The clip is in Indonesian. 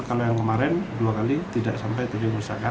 kalau yang kemarin dua kali tidak sampai terjadi kerusakan